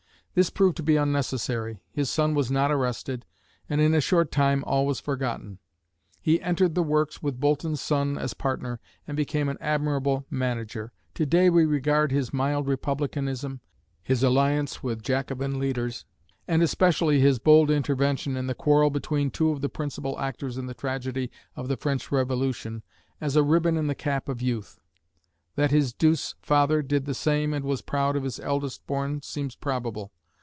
This proved to be unnecessary; his son was not arrested, and in a short time all was forgotten. He entered the works with Boulton's son as partner, and became an admirable manager. To day we regard his mild republicanism, his alliance with Jacobin leaders, and especially his bold intervention in the quarrel between two of the principal actors in the tragedy of the French Revolution, as "a ribbon in the cap of youth." That his douce father did the same and was proud of his eldest born seems probable.